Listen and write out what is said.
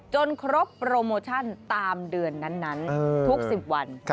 ครบโปรโมชั่นตามเดือนนั้นทุก๑๐วัน